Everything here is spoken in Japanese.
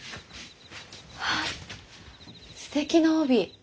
あっすてきな帯！